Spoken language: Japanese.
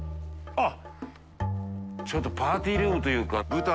あっ！